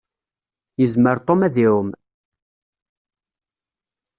Yezmer Tom ad iɛumm.